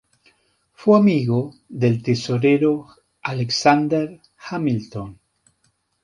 Fue amigo del tesorero Alexander Hamilton.